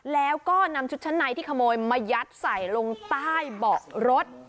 แล้วก็นำชุดชั้นในที่ขโมยมายัดใส่ลงใต้เบาะรถ